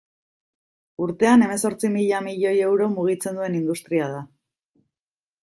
Urtean hemezortzi mila milioi euro mugitzen duen industria da.